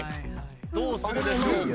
どうするでしょうか？